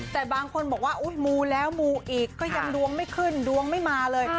แต่บางคนบอกว่าอุ๊ยมูแล้วมูอีกก็ยังดวงไม่ขึ้นดวงไม่มาเลย